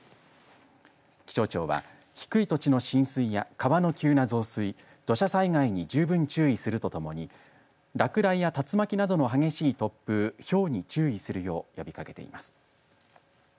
気象庁は低い土地の浸水や川の急な増水土砂災害に十分注意するとともに落雷や竜巻などの激しい突風ひょうに注意するよう呼びかけています。